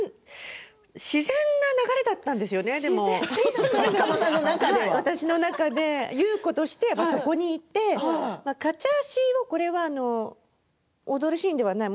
自然な流れだったんですよね、でも私の中で優子として、そこにいてカチャーシーをこれは踊るシーンではない。